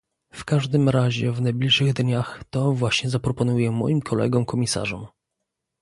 W każdym razie w najbliższych dniach to właśnie zaproponuję moim kolegom komisarzom